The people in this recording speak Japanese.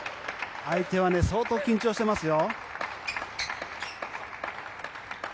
相手は相当緊張してますよ。